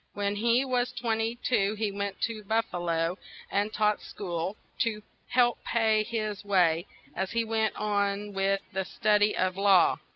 When he was twen ty two, he went to Buf fa lo, and taught school, to help pay his way, as he went on with the stud y of law.